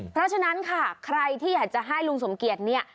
เพราะฉะนั้นค่ะใครที่อยากจะให้ลุงสมเกียจเนี่ย